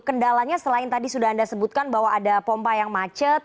kendalanya selain tadi sudah anda sebutkan bahwa ada pompa yang macet